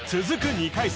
２回戦